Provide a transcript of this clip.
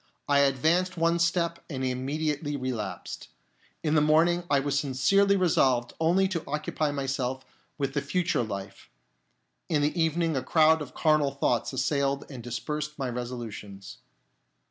I .advanced one step and immediately relapsed. In the morning I was sincerely re solved only to occupy myself with the future life ; in the evening a crowd of carnal thoughts assailed and dispersed my resolutions.